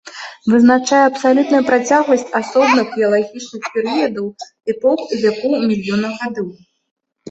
Вызначае абсалютную працягласць асобных геалагічных перыядаў, эпох і вякоў у мільёнах гадоў.